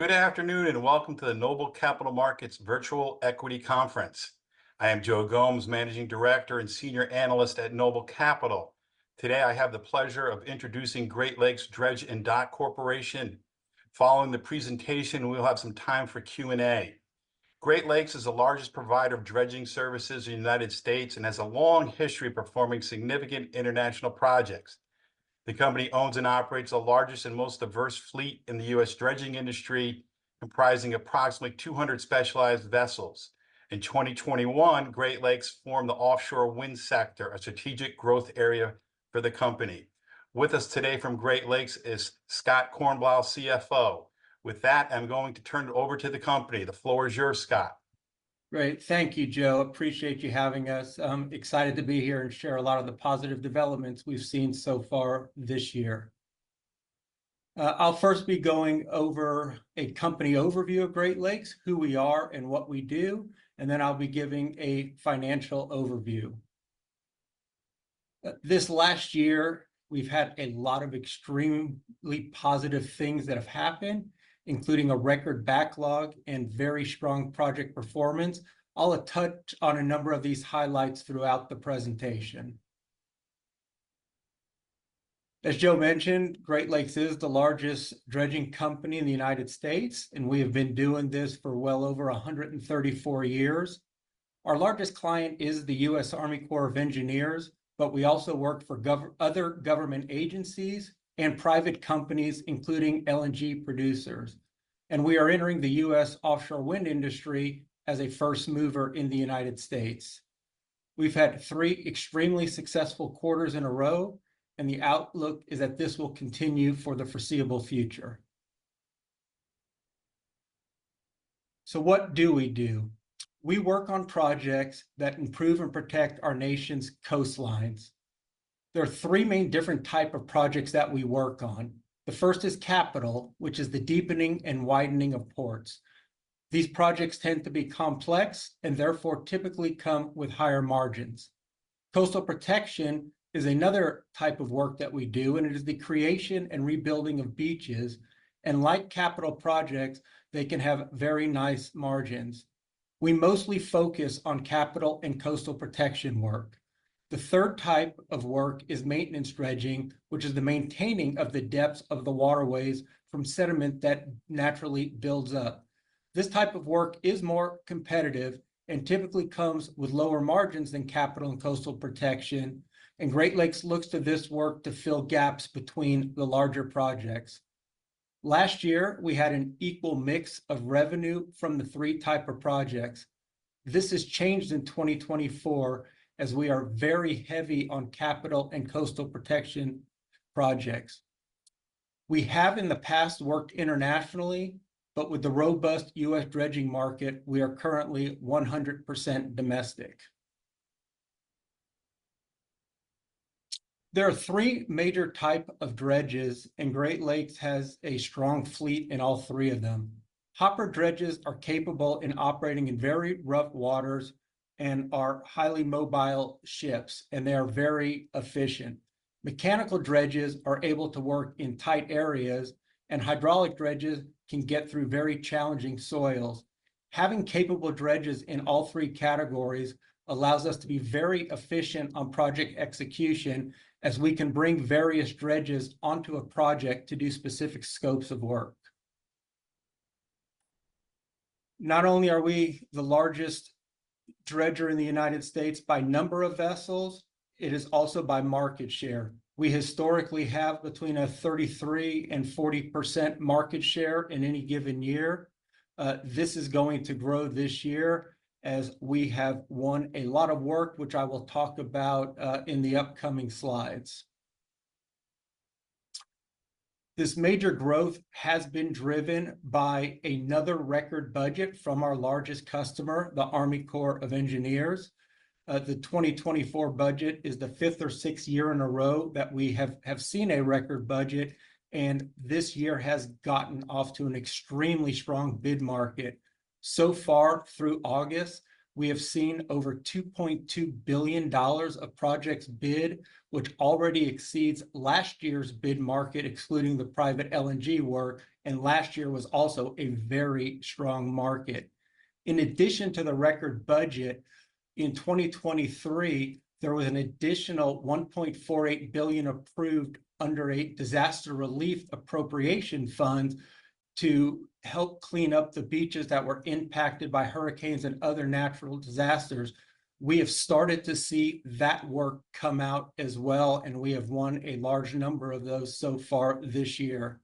Good afternoon, and welcome to the Noble Capital Markets Virtual Equity Conference. I am Joe Gomes, Managing Director and Senior Analyst at Noble Capital. Today, I have the pleasure of introducing Great Lakes Dredge & Dock Corporation. Following the presentation, we'll have some time for Q&A. Great Lakes is the largest provider of dredging services in the United States and has a long history of performing significant international projects. The company owns and operates the largest and most diverse fleet in the U.S. dredging industry, comprising approximately 200 specialized vessels. In 2021, Great Lakes formed the offshore wind sector, a strategic growth area for the company. With us today from Great Lakes is Scott Kornblau, CFO. With that, I'm going to turn it over to the company. The floor is yours, Scott. Great. Thank you, Joe. Appreciate you having us. I'm excited to be here and share a lot of the positive developments we've seen so far this year. I'll first be going over a company overview of Great Lakes, who we are and what we do, and then I'll be giving a financial overview. This last year, we've had a lot of extremely positive things that have happened, including a record backlog and very strong project performance. I'll touch on a number of these highlights throughout the presentation. As Joe mentioned, Great Lakes is the largest dredging company in the United States, and we have been doing this for well over a 134 years. Our largest client is the U.S. Army Corps of Engineers, but we also work for other government agencies and private companies, including LNG producers, and we are entering the U.S. offshore wind industry as a first mover in the United States. We've had three extremely successful quarters in a row, and the outlook is that this will continue for the foreseeable future. So what do we do? We work on projects that improve and protect our nation's coastlines. There are three main different type of projects that we work on. The first is capital, which is the deepening and widening of ports. These projects tend to be complex and therefore typically come with higher margins. Coastal protection is another type of work that we do, and it is the creation and rebuilding of beaches, and like capital projects, they can have very nice margins. We mostly focus on capital and coastal protection work. The third type of work is maintenance dredging, which is the maintaining of the depths of the waterways from sediment that naturally builds up. This type of work is more competitive and typically comes with lower margins than capital and coastal protection, and Great Lakes looks to this work to fill gaps between the larger projects. Last year, we had an equal mix of revenue from the three type of projects. This has changed in 2024, as we are very heavy on capital and coastal protection projects. We have in the past worked internationally, but with the robust U.S. dredging market, we are currently 100% domestic. There are three major type of dredges, and Great Lakes has a strong fleet in all three of them. Hopper dredges are capable in operating in very rough waters and are highly mobile ships, and they are very efficient. Mechanical dredges are able to work in tight areas, and hydraulic dredges can get through very challenging soils. Having capable dredges in all three categories allows us to be very efficient on project execution, as we can bring various dredges onto a project to do specific scopes of work. Not only are we the largest dredger in the United States by number of vessels, it is also by market share. We historically have between 33% and 40% market share in any given year. This is going to grow this year, as we have won a lot of work, which I will talk about in the upcoming slides. This major growth has been driven by another record budget from our largest customer, the Army Corps of Engineers. The 2024 budget is the fifth or sixth year in a row that we have seen a record budget, and this year has gotten off to an extremely strong bid market. So far, through August, we have seen over $2.2 billion of projects bid, which already exceeds last year's bid market, excluding the private LNG work, and last year was also a very strong market. In addition to the record budget, in 2023, there was an additional $1.48 billion approved under a disaster relief appropriation fund to help clean up the beaches that were impacted by hurricanes and other natural disasters. We have started to see that work come out as well, and we have won a large number of those so far this year.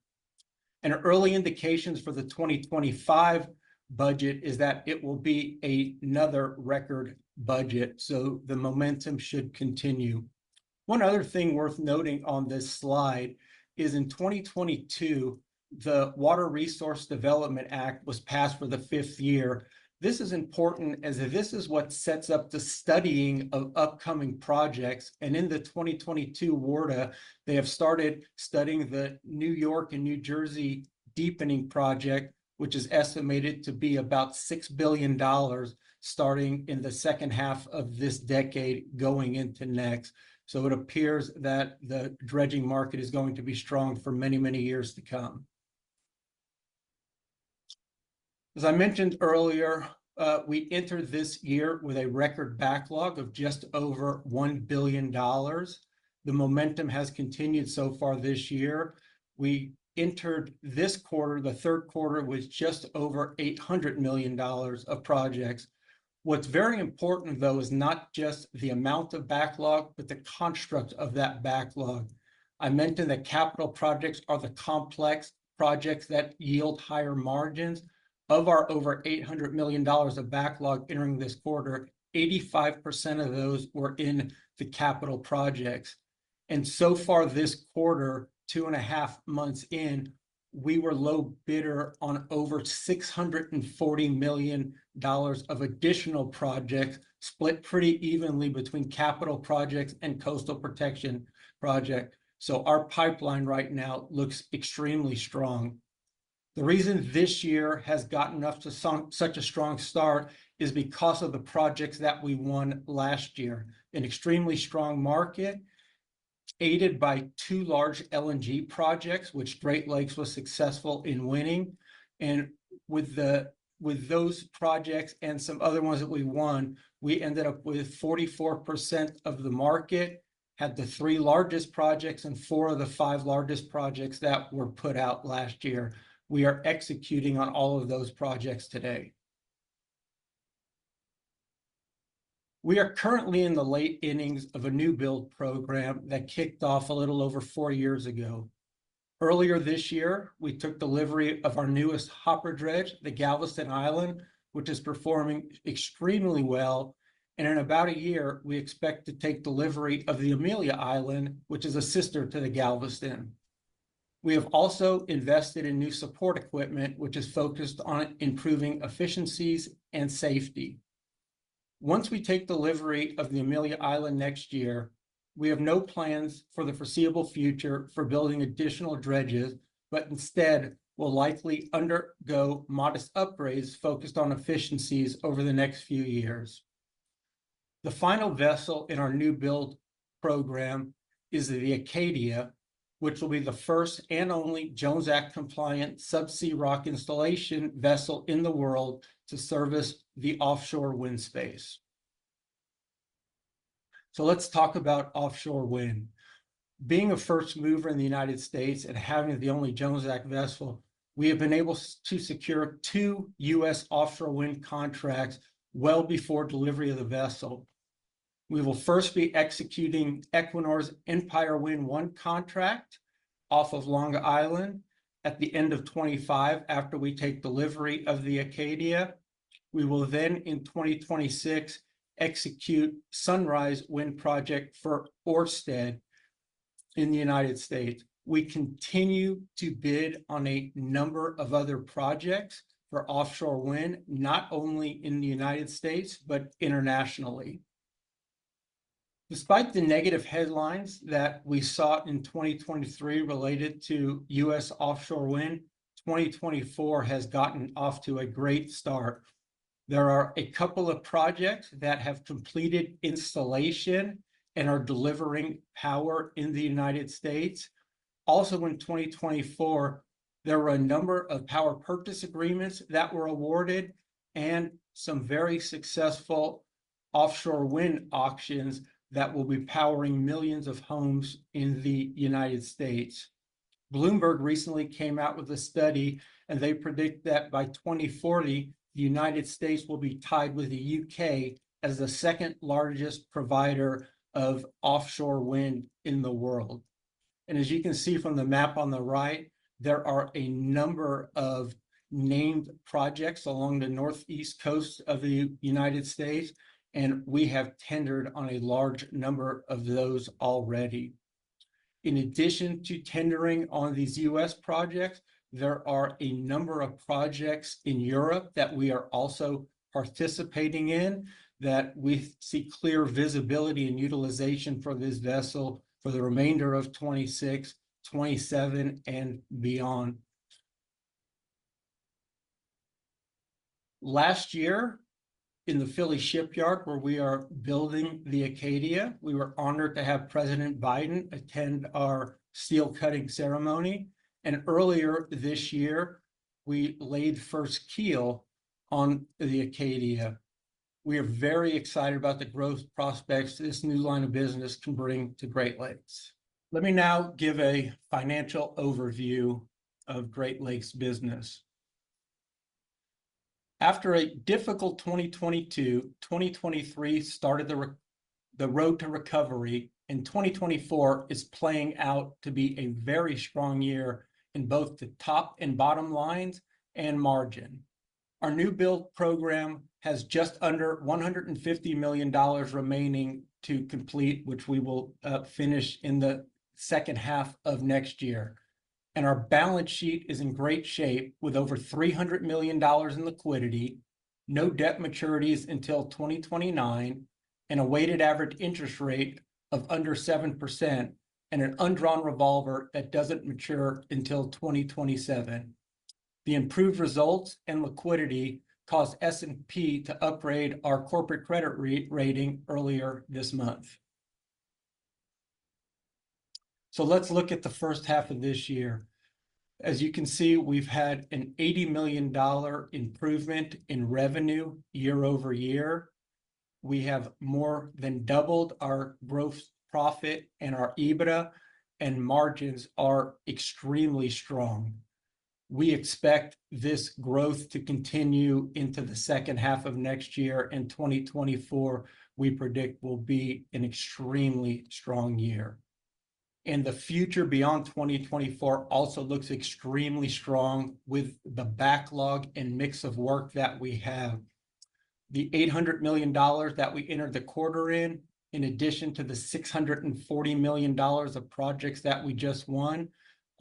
Early indications for the 2025 budget is that it will be another record budget, so the momentum should continue. One other thing worth noting on this slide is, in 2022, the Water Resources Development Act was passed for the fifth year. This is important, as this is what sets up the studying of upcoming projects, and in the 2022 WRDA, they have started studying the New York and New Jersey deepening project, which is estimated to be about $6 billion, starting in the second half of this decade, going into next. So it appears that the dredging market is going to be strong for many, many years to come. As I mentioned earlier, we entered this year with a record backlog of just over $1 billion. The momentum has continued so far this year. We entered this quarter, the third quarter, with just over $800 million of projects. What's very important, though, is not just the amount of backlog, but the construct of that backlog. I mentioned that capital projects are the complex projects that yield higher margins. Of our over $800 million of backlog entering this quarter, 85% of those were in the capital projects. And so far this quarter, 2.5 months in, we were low bidder on over $640 million of additional projects, split pretty evenly between capital projects and coastal protection project. So our pipeline right now looks extremely strong. The reason this year has gotten off to such, such a strong start is because of the projects that we won last year. An extremely strong market, aided by two large LNG projects, which Great Lakes was successful in winning. With those projects and some other ones that we won, we ended up with 44% of the market, had the three largest projects and four of the five largest projects that were put out last year. We are executing on all of those projects today. We are currently in the late innings of a new build program that kicked off a little over four years ago. Earlier this year, we took delivery of our newest hopper dredge, the Galveston Island, which is performing extremely well, and in about a year, we expect to take delivery of the Amelia Island, which is a sister to the Galveston. We have also invested in new support equipment, which is focused on improving efficiencies and safety. Once we take delivery of the Amelia Island next year, we have no plans for the foreseeable future for building additional dredges, but instead, we'll likely undergo modest upgrades focused on efficiencies over the next few years. The final vessel in our new build program is the Acadia, which will be the first and only Jones Act-compliant subsea rock installation vessel in the world to service the offshore wind space. So let's talk about offshore wind. Being a first mover in the United States and having the only Jones Act vessel, we have been able to secure two U.S. offshore wind contracts well before delivery of the vessel. We will first be executing Equinor's Empire Wind I contract off of Long Island at the end of 2025, after we take delivery of the Acadia. We will then, in 2026, execute Sunrise Wind project for Ørsted in the United States. We continue to bid on a number of other projects for offshore wind, not only in the United States, but internationally. Despite the negative headlines that we saw in 2023 related to U.S. offshore wind, 2024 has gotten off to a great start. There are a couple of projects that have completed installation and are delivering power in the United States. Also, in 2024, there were a number of power purchase agreements that were awarded and some very successful offshore wind auctions that will be powering millions of homes in the United States. Bloomberg recently came out with a study, and they predict that by 2040, the United States will be tied with the U.K. as the second-largest provider of offshore wind in the world. As you can see from the map on the right, there are a number of named projects along the northeast coast of the United States, and we have tendered on a large number of those already. In addition to tendering on these U.S. projects, there are a number of projects in Europe that we are also participating in, that we see clear visibility and utilization for this vessel for the remainder of 2026, 2027, and beyond. Last year, in the Philly Shipyard, where we are building the Acadia, we were honored to have President Biden attend our steel-cutting ceremony, and earlier this year, we laid first keel on the Acadia. We are very excited about the growth prospects this new line of business can bring to Great Lakes. Let me now give a financial overview of Great Lakes' business. After a difficult 2022, 2023 started the the road to recovery, and 2024 is playing out to be a very strong year in both the top and bottom lines and margin. Our new build program has just under $150 million remaining to complete, which we will finish in the second half of next year. Our balance sheet is in great shape, with over $300 million in liquidity, no debt maturities until 2029, and a weighted average interest rate of under 7%, and an undrawn revolver that doesn't mature until 2027. The improved results and liquidity caused S&P to upgrade our corporate credit rating earlier this month. Let's look at the first half of this year. As you can see, we've had an $80 million improvement in revenue year over year. We have more than doubled our gross profit and our EBITDA, and margins are extremely strong. We expect this growth to continue into the second half of next year, and 2024, we predict, will be an extremely strong year, and the future beyond 2024 also looks extremely strong with the backlog and mix of work that we have. The $800 million that we entered the quarter in, in addition to the $640 million of projects that we just won,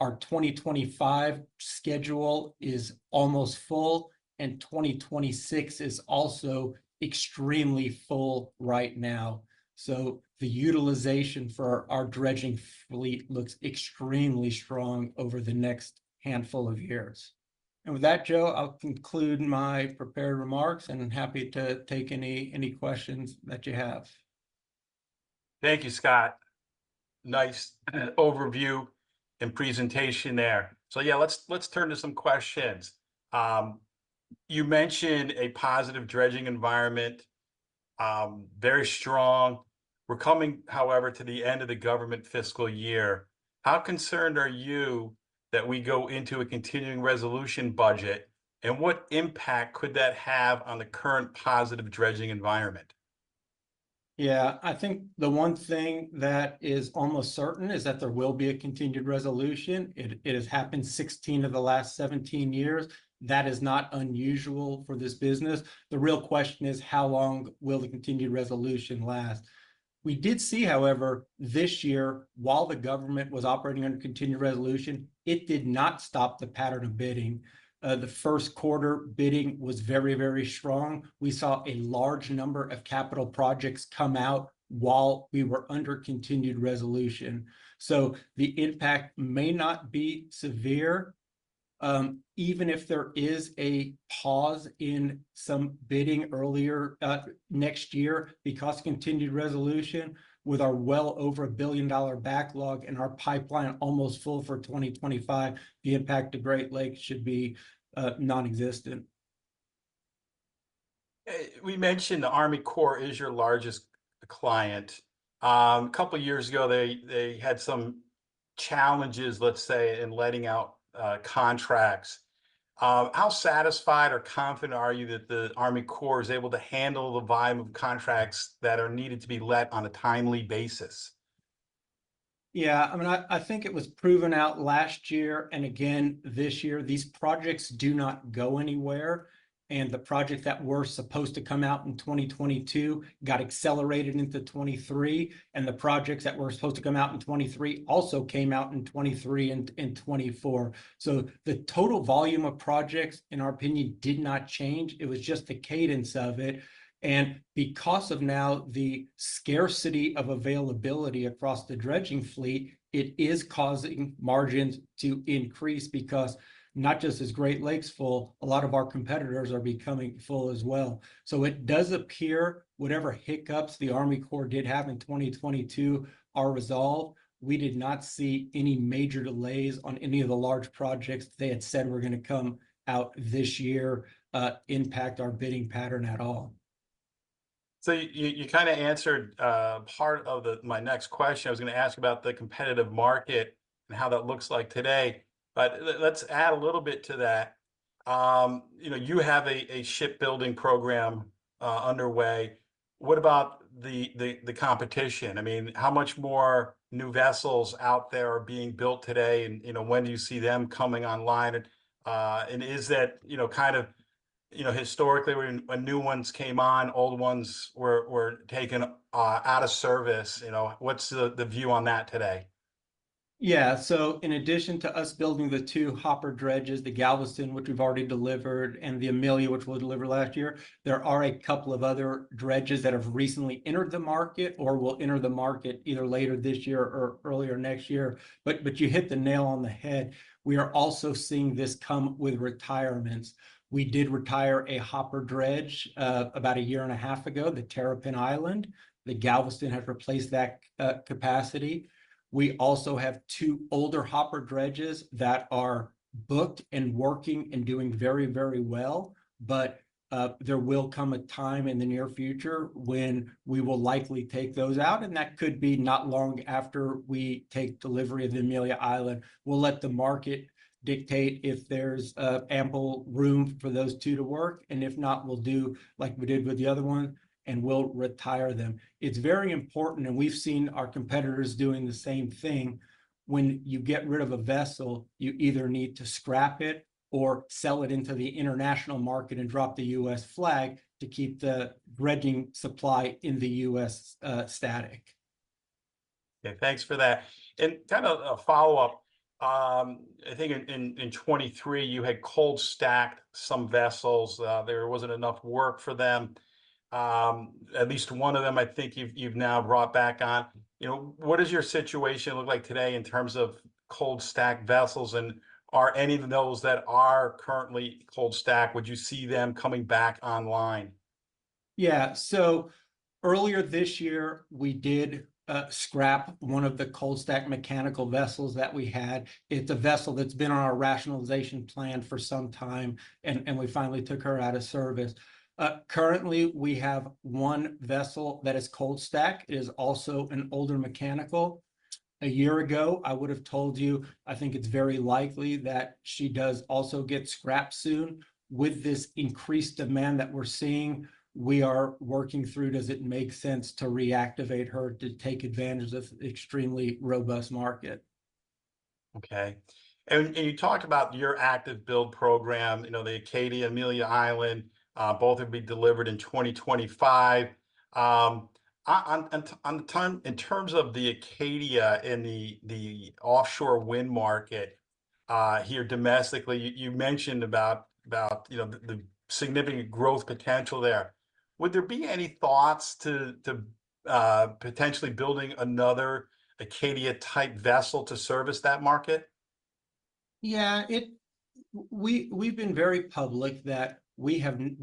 our 2025 schedule is almost full, and 2026 is also extremely full right now, so the utilization for our dredging fleet looks extremely strong over the next handful of years, and with that, Joe, I'll conclude my prepared remarks, and I'm happy to take any questions that you have. Thank you, Scott. Nice, overview and presentation there. So yeah, let's turn to some questions. You mentioned a positive dredging environment, very strong. We're coming, however, to the end of the government fiscal year. How concerned are you that we go into a Continuing Resolution budget, and what impact could that have on the current positive dredging environment? Yeah, I think the one thing that is almost certain is that there will be a Continuing Resolution. It has happened 16 of the last 17 years. That is not unusual for this business. The real question is, how long will the Continuing Resolution last? We did see, however, this year, while the government was operating under Continuing Resolution, it did not stop the pattern of bidding. The first quarter bidding was very, very strong. We saw a large number of capital projects come out while we were under Continuing Resolution. So the impact may not be severe, even if there is a pause in some bidding earlier, next year. Because Continuing Resolution with our well over a $1 billion backlog and our pipeline almost full for 2025, the impact to Great Lakes should be, nonexistent. We mentioned the Army Corps is your largest client. Couple years ago, they had some challenges, let's say, in letting out contracts. How satisfied or confident are you that the Army Corps is able to handle the volume of contracts that are needed to be let on a timely basis? Yeah, I mean, I think it was proven out last year and again this year. These projects do not go anywhere, and the projects that were supposed to come out in 2022 got accelerated into 2023, and the projects that were supposed to come out in 2023 also came out in 2023 and 2024. So the total volume of projects, in our opinion, did not change. It was just the cadence of it. And because of now the scarcity of availability across the dredging fleet, it is causing margins to increase because not just is Great Lakes full, a lot of our competitors are becoming full as well. So it does appear whatever hiccups the Army Corps did have in 2022 are resolved. We did not see any major delays on any of the large projects that they had said were gonna come out this year, impact our bidding pattern at all. So you kinda answered part of my next question. I was gonna ask about the competitive market and how that looks like today, but let's add a little bit to that. You know, you have a shipbuilding program underway. What about the competition? I mean, how much more new vessels out there are being built today, and, you know, when do you see them coming online? And is that, you know, kind of... You know, historically, when new ones came on, old ones were taken out of service. You know, what's the view on that today? Yeah. So in addition to us building the two hopper dredges, the Galveston Island, which we've already delivered, and the Amelia Island, which we'll deliver next year, there are a couple of other dredges that have recently entered the market or will enter the market either later this year or earlier next year. But you hit the nail on the head. We are also seeing this come with retirements. We did retire a hopper dredge about a year and a half ago, the Terrapin Island. The Galveston Island have replaced that capacity. We also have two older hopper dredges that are booked and working and doing very, very well, but there will come a time in the near future when we will likely take those out, and that could be not long after we take delivery of the Amelia Island. We'll let the market dictate if there's ample room for those two to work, and if not, we'll do like we did with the other one, and we'll retire them. It's very important, and we've seen our competitors doing the same thing. When you get rid of a vessel, you either need to scrap it or sell it into the international market and drop the U.S. flag to keep the dredging supply in the U.S. static. Okay, thanks for that. And kind of a follow-up, I think in 2023, you had cold stacked some vessels. There wasn't enough work for them. At least one of them, I think you've now brought back on. You know, what does your situation look like today in terms of cold stacked vessels, and are any of those that are currently cold stacked? Would you see them coming back online? Yeah, so earlier this year, we did scrap one of the cold stack mechanical vessels that we had. It's a vessel that's been on our rationalization plan for some time, and we finally took her out of service. Currently, we have one vessel that is cold stacked. It is also an older mechanical. A year ago, I would've told you, I think it's very likely that she does also get scrapped soon. With this increased demand that we're seeing, we are working through, does it make sense to reactivate her to take advantage of extremely robust market? Okay. And you talked about your active build program, you know, the Acadia, Amelia Island, both will be delivered in 2025. In terms of the Acadia and the offshore wind market here domestically, you mentioned about, you know, the significant growth potential there. Would there be any thoughts to potentially building another Acadia-type vessel to service that market? Yeah, we've been very public that we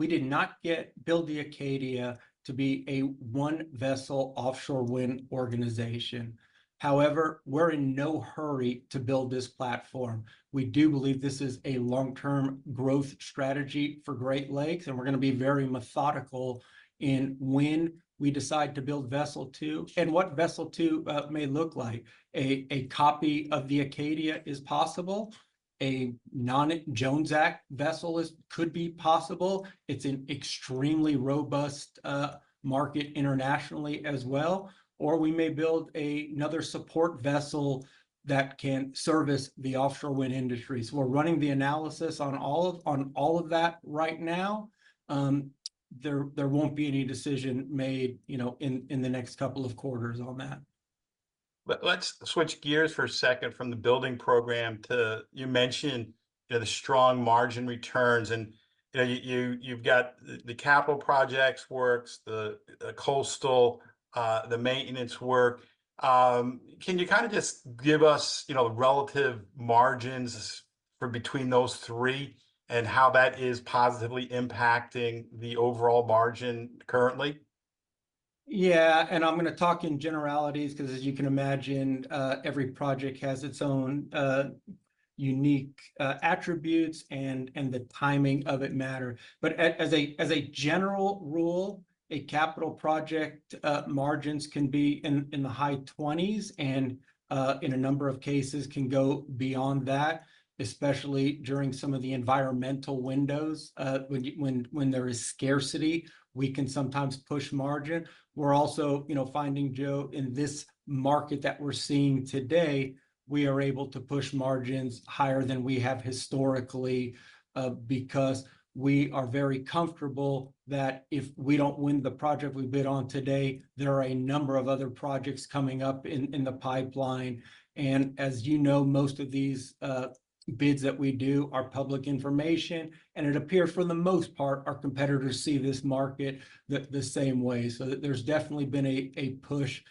did not build the Acadia to be a one-vessel offshore wind organization. However, we're in no hurry to build this platform. We do believe this is a long-term growth strategy for Great Lakes, and we're gonna be very methodical in when we decide to build vessel two, and what vessel two may look like. A copy of the Acadia is possible. A non-Jones Act vessel could be possible. It's an extremely robust market internationally as well, or we may build another support vessel that can service the offshore wind industry. So we're running the analysis on all of that right now. There won't be any decision made, you know, in the next couple of quarters on that. Let's switch gears for a second from the building program to, you mentioned, you know, the strong margin returns, and, you know, you've got the capital projects works, the coastal, the maintenance work. Can you kind of just give us, you know, relative margins for between those three, and how that is positively impacting the overall margin currently? Yeah, and I'm gonna talk in generalities, 'cause as you can imagine, every project has its own unique attributes, and the timing of it matter. But as a general rule, a capital project margins can be in the high 20s, and in a number of cases, can go beyond that, especially during some of the environmental windows. When there is scarcity, we can sometimes push margin. We're also, you know, finding, Joe, in this market that we're seeing today, we are able to push margins higher than we have historically, because we are very comfortable that if we don't win the project we bid on today, there are a number of other projects coming up in the pipeline. And as you know, most of these bids that we do are public information, and it appears, for the most part, our competitors see this market the same way. So there's definitely been a push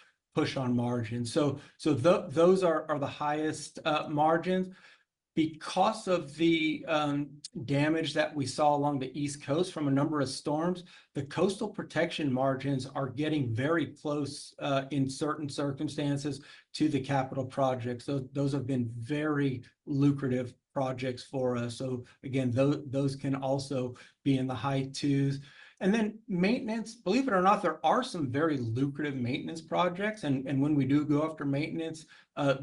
on margins. So those are the highest margins. Because of the damage that we saw along the East Coast from a number of storms, the coastal protection margins are getting very close, in certain circumstances, to the capital projects. So those have been very lucrative projects for us. So again, those can also be in the high 20s. And then maintenance, believe it or not, there are some very lucrative maintenance projects, and when we do go after maintenance,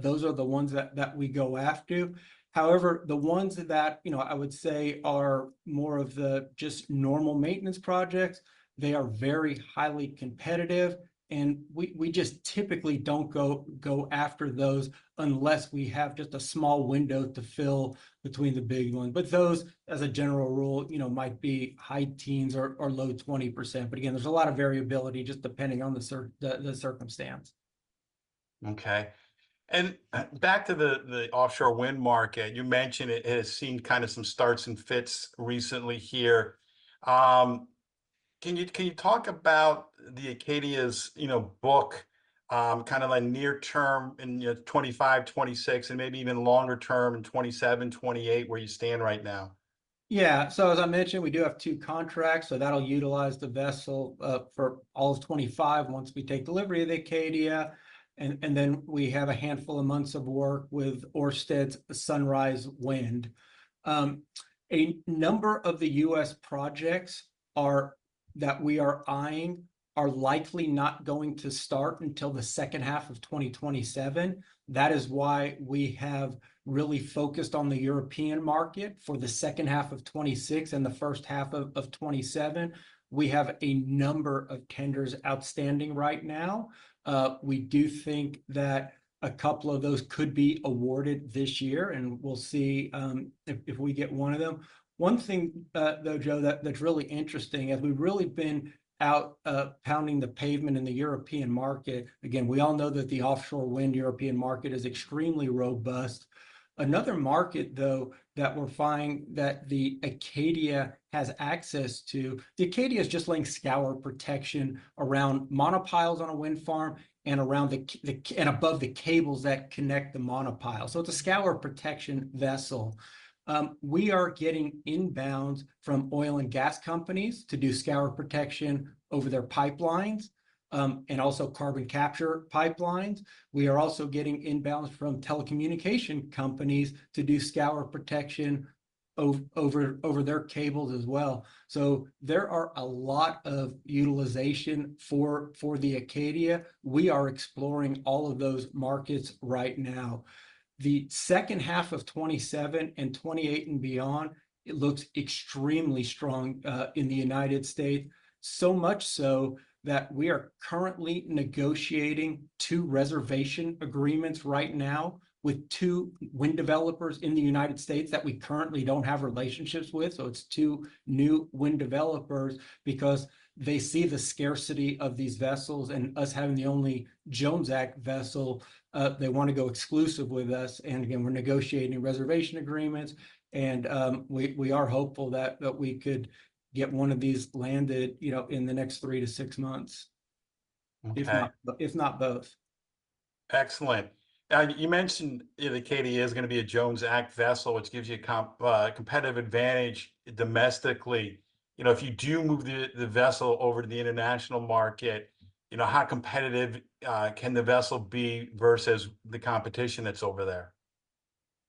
those are the ones that we go after. However, the ones that, you know, I would say are more of the just normal maintenance projects, they are very highly competitive, and we just typically don't go after those unless we have just a small window to fill between the big ones. But those, as a general rule, you know, might be high teens or low 20%. But again, there's a lot of variability, just depending on the circumstance. Okay. And back to the offshore wind market, you mentioned it has seen kind of some starts and stops recently here. Can you talk about the Acadia's, you know, book, kind of like near term in year 2025, 2026, and maybe even longer term in 2027, 2028, where you stand right now? Yeah. So as I mentioned, we do have two contracts, so that'll utilize the vessel for all of 2025, once we take delivery of the Acadia, and then we have a handful of months of work with Ørsted's Sunrise Wind. A number of the U.S. projects that we are eyeing are likely not going to start until the second half of 2027. That is why we have really focused on the European market for the second half of 2026 and the first half of 2027. We have a number of tenders outstanding right now. We do think that a couple of those could be awarded this year, and we'll see if we get one of them. One thing, though, Joe, that's really interesting, as we've really been out pounding the pavement in the European market. Again, we all know that the offshore wind European market is extremely robust. Another market, though, that we're finding that the Acadia has access to. The Acadia is just laying scour protection around monopiles on a wind farm and around the cables, and above the cables that connect the monopile, so it's a scour protection vessel. We are getting inbounds from oil and gas companies to do scour protection over their pipelines, and also carbon capture pipelines. We are also getting inbounds from telecommunication companies to do scour protection over their cables as well. So there are a lot of utilization for the Acadia. We are exploring all of those markets right now. The second half of 2027 and 2028 and beyond, it looks extremely strong in the United States, so much so that we are currently negotiating two reservation agreements right now with two wind developers in the United States that we currently don't have relationships with. So it's two new wind developers, because they see the scarcity of these vessels, and us having the only Jones Act vessel, they want to go exclusive with us. And again, we're negotiating reservation agreements, and we are hopeful that we could get one of these landed, you know, in the next three to six months- Okay... if not both. Excellent. Now, you mentioned the Acadia is gonna be a Jones Act vessel, which gives you a competitive advantage domestically. You know, if you do move the vessel over to the international market, you know, how competitive can the vessel be versus the competition that's over there?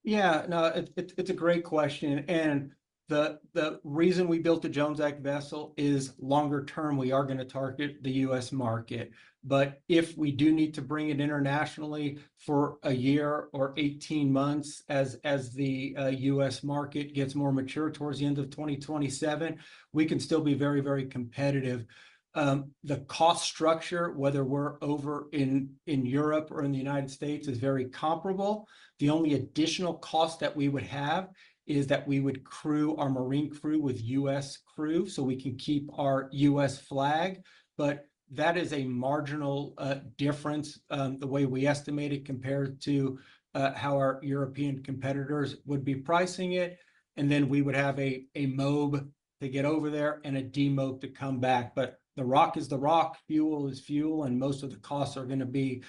Yeah, no, it's a great question, and the reason we built a Jones Act vessel is, longer term, we are gonna target the U.S. market. But if we do need to bring it internationally for a year or 18 months, as the U.S. market gets more mature towards the end of 2027, we can still be very, very competitive. The cost structure, whether we're over in Europe or in the United States, is very comparable. The only additional cost that we would have is that we would crew our marine crew with U.S. crew, so we can keep our U.S. flag. But that is a marginal difference, the way we estimate it, compared to how our European competitors would be pricing it. And then we would have a mob to get over there and a demob to come back. But the rock is the rock, fuel is fuel, and most of the costs are gonna be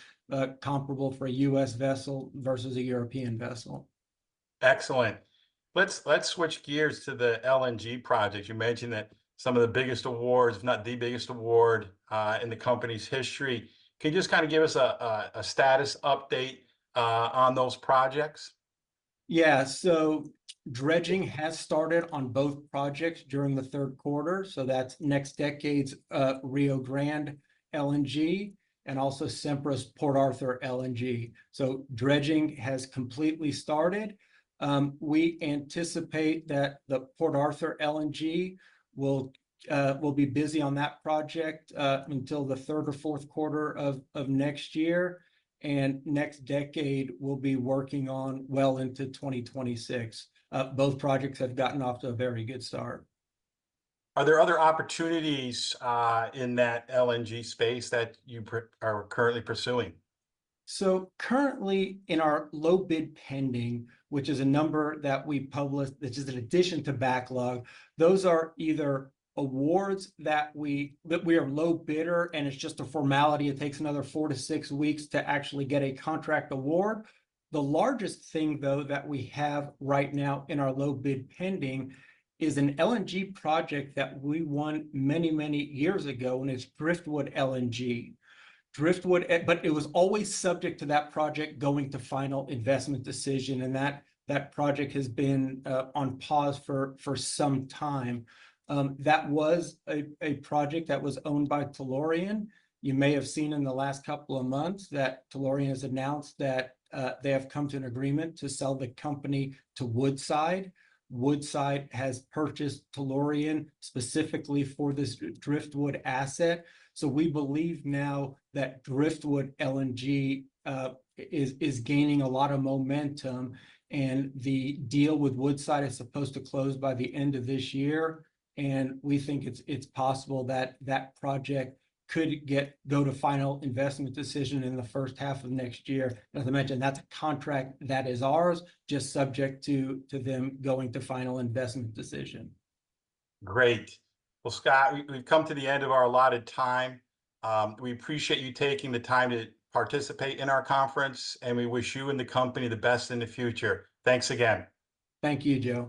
comparable for a U.S. vessel versus a European vessel. Excellent. Let's switch gears to the LNG project. You mentioned that some of the biggest awards, if not the biggest award, in the company's history. Can you just kind of give us a status update on those projects? Yeah, so dredging has started on both projects during the third quarter, so that's NextDecade's Rio Grande LNG and also Sempra's Port Arthur LNG. So dredging has completely started. We anticipate that the Port Arthur LNG will be busy on that project until the third or fourth quarter of next year, and NextDecade will be working on well into 2026. Both projects have gotten off to a very good start. Are there other opportunities in that LNG space that you are currently pursuing? So currently in our low bid pending, which is a number that we publish, which is in addition to backlog, those are either awards that we are low bidder, and it's just a formality. It takes another four to six weeks to actually get a contract award. The largest thing, though, that we have right now in our low bid pending is an LNG project that we won many, many years ago, and it's Driftwood LNG, but it was always subject to that project going to final investment decision, and that project has been on pause for some time. That was a project that was owned by Tellurian. You may have seen in the last couple of months that Tellurian has announced that they have come to an agreement to sell the company to Woodside. Woodside has purchased Tellurian specifically for this Driftwood asset. So we believe now that Driftwood LNG is gaining a lot of momentum, and the deal with Woodside is supposed to close by the end of this year, and we think it's possible that that project could go to final investment decision in the first half of next year. As I mentioned, that's a contract that is ours, just subject to them going to final investment decision. Great! Well, Scott, we've come to the end of our allotted time. We appreciate you taking the time to participate in our conference, and we wish you and the company the best in the future. Thanks again. Thank you, Joe.